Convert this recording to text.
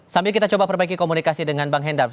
sambil kita coba perbaiki komunikasi dengan bang hendar